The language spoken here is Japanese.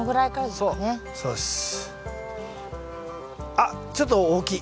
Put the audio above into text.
あっちょっと大きい。